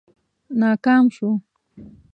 ناکام شو.